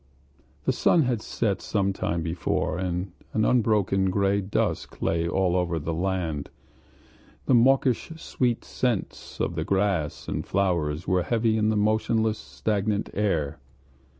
The sun had set some time before, and an unbroken gray dusk lay all over the land. The mawkishly sweet scents of the grass and flowers were heavy in the motionless, stagnant air.